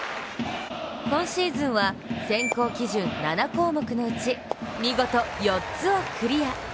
今シーズンは、選考基準７項目のうち見事４つをクリア。